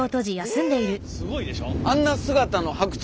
すごいでしょ。